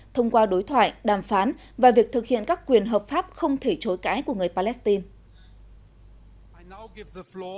thông qua đối thoại đàm phán và việc thực hiện các quyền hợp pháp không thể chối cãi của người palestine